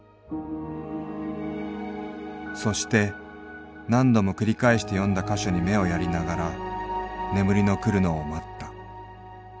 そして何度も繰りかえして読んだ箇所に眼をやりながら眠りのくるのを待った。